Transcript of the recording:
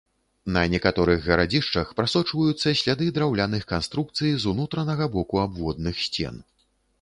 На некаторых гарадзішчах прасочваюцца сляды драўляных канструкцый з унутранага боку абводных сцен.